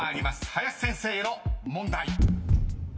林先生への問題］